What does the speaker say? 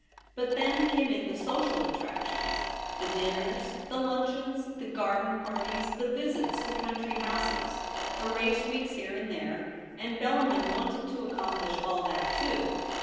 But then came in the social attractions — the dinners, the luncheons, the garden parties, the visits to country houses, the race weeks here and there ; and Bellarmin wanted to accomplish all that too.